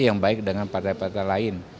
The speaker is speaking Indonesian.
yang baik dengan partai partai lain